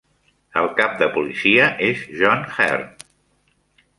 El cap de policia és John Hearn.